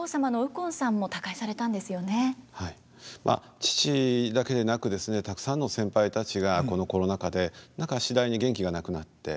まあ父だけでなくですねたくさんの先輩たちがこのコロナ禍で何か次第に元気がなくなって。